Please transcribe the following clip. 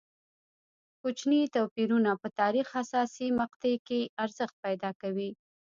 کوچني توپیرونه په تاریخ حساسې مقطعې کې ارزښت پیدا کوي.